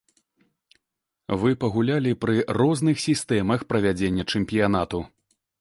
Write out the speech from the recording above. Вы пагулялі пры розных сістэмах правядзення чэмпіянату.